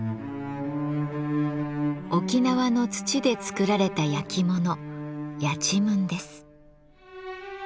沖縄の土で作られたやきものやちむんです。